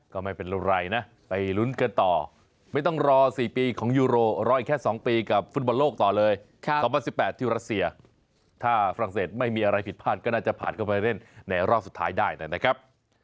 ก็ไม่เป็นไรนะไปลุ้นกันต่อไม่ต้องรอ๔ปีของยูโรรออีกแค่๒ปีกับฟุตบอลโลกต่อเลย๒๐๑๘ที่รัสเซียถ้าฝรั่งเศสไม่มีอะไรผิดพลาดก็น่าจะผ่านเข้าไปเล่นในรอบสุดท้ายได้นะครับ